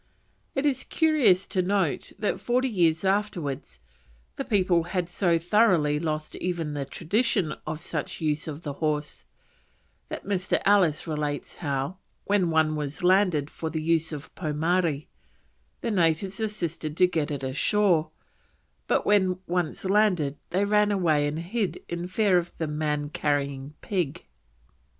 It is curious to note that forty years afterwards the people had so thoroughly lost even the tradition of such use of the horse that Mr. Ellis relates how, when one was landed for the use of Pomare, the natives assisted to get it ashore, but when once landed they ran away and hid in fear of the "man carrying pig."